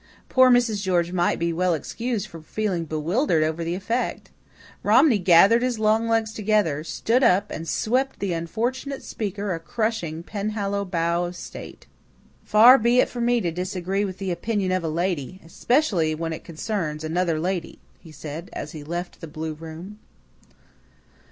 Poor Mrs. George might well be excused for feeling bewildered over the effect. Romney gathered his long legs together, stood up, and swept the unfortunate speaker a crushing Penhallow bow of state. "Far be it from me to disagree with the opinion of a lady especially when it concerns another lady," he said, as he left the blue room.